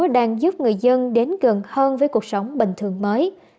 đang giúp người dân đến gần hơn với cuộc sống bình thường mới